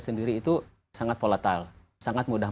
sendiri itu sangat volatile sangat mudah